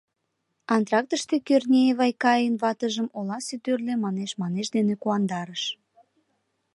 Антрактыште Кӧрнеи Вайкаин ватыжым оласе тӱрлӧ манеш-манеш дене куандарыш.